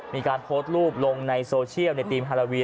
มีการโพสต์รูปลงในโซเชียลในทีมฮาราวี